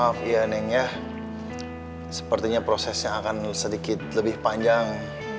aduh maaf ya neng ya sepertinya prosesnya akan sedikit lebih panjang